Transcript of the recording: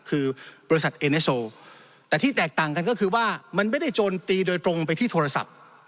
คือบริษัทเอเนโซแต่ที่แตกต่างกันก็คือว่ามันไม่ได้โจมตีโดยตรงไปที่โทรศัพท์